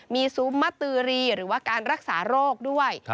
มีซุ้มมะตือรีหรือว่าการรักษาโรคด้วย